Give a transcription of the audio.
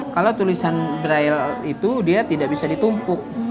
kalau tulisan braille itu dia tidak bisa ditumpuk